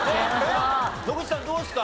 野口さんどうですか？